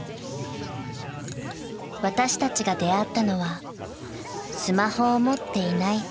［私たちが出会ったのはスマホを持っていないホスト］